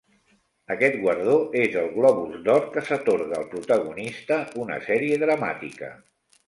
Aquest guardó és el Globus d'Or que s'atorga al protagonista una sèrie dramàtica.